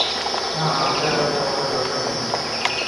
না, আমাদের আর তোমাকে দরকার নেই।